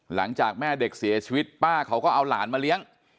หลังจากแม่เด็กเสียชีวิตป้าเขาก็เอาหลานมาเลี้ยง